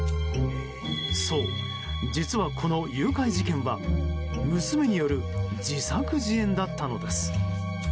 そう、実はこの誘拐事件は娘による自作自演だったのです。